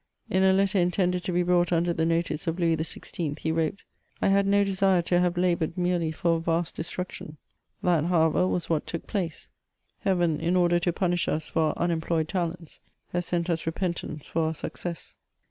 In a letter intended to be brought under the notice of Louis XVI., he wrote; — "I had no desire to have laboured merely for a vast destruction." That, however, was what took place ; Heaven, in order to punish us for our unemployed talents, has sent us repentance for our success.